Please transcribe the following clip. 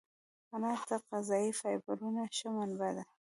انار د غذایي فایبرونو ښه منبع ده.